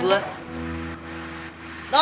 tuh tuh tuh